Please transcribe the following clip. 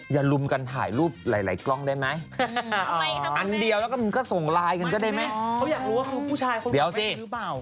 ลุมกันถ่ายรูปหลายกล้องได้ไหมอันเดียวแล้วก็ส่งไลน์กันก็ได้ไหมเขาอยากรู้ว่าผู้ชายคนเดียวสิหรือเปล่า